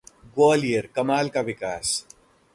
ग्वालियर: कमाल का विकास